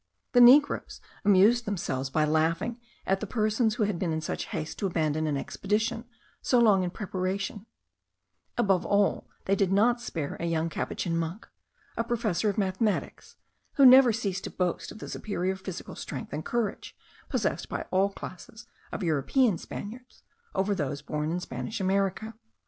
The negroes amused themselves by laughing at the persons who had been in such haste to abandon an expedition so long in preparation; above all, they did not spare a young Capuchin monk, a professor of mathematics, who never ceased to boast of the superior physical strength and courage possessed by all classes of European Spaniards over those born in Spanish America.